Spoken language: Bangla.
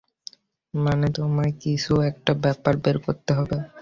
মানে, তোমায় কিছু একটা উপায় বের করতে হবে।